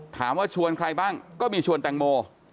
ชวนใครบ้างก็มีชวนแตงโม